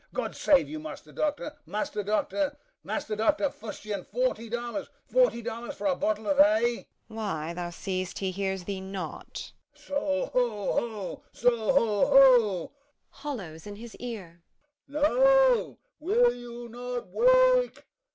God save you, Master Doctor, Master Doctor, Master Doctor Fustian! forty dollars, forty dollars for a bottle of hay! MEPHIST. Why, thou seest he hears thee not. HORSE COURSER. So ho, ho! so ho, ho! [Hollows in his ear.] No, will you not wake?